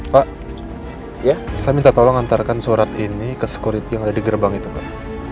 pak ya saya minta tolong antarkan surat ini ke security yang ada di gerbang itu pak